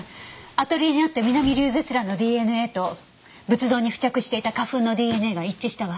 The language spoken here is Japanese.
アトリエにあったミナミリュウゼツランのＤＮＡと仏像に付着していた花粉のＤＮＡが一致したわ。